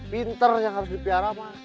pinter yang harus dipiara mas